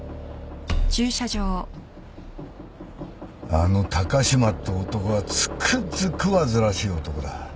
あの高島って男はつくづく煩わしい男だ。